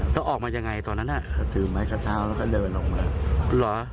แล้วออกมายังไงตอนนั้นเขาถือไม้กระเท้าแล้วก็เดินออกมาเหรอ